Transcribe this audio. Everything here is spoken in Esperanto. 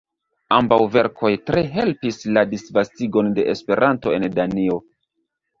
Ambaŭ verkoj tre helpis la disvastigon de Esperanto en Danio.